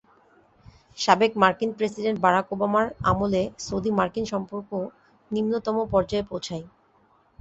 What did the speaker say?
সাবেক মার্কিন president Barack ওবামার আমলে সৌদি মার্কিন সম্পর্ক নিম্নতম পর্যায়ে পৌঁছায়।